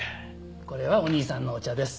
これはお兄さんのお茶です。